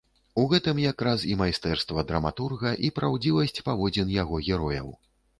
У гэтым якраз і майстэрства драматурга, і праўдзівасць паводзін яго герояў.